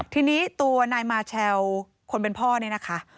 ทีนี้ตัวนายมาเชลคนเป็นพ่อนี่นะคะ